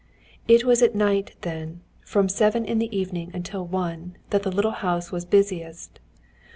It was at night then, from seven in the evening until one, that the little house was busiest.